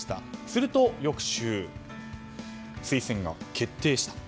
すると翌週推薦が決定した。